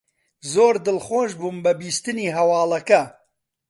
زۆر دڵخۆش بووم بە بیستنی هەواڵەکە.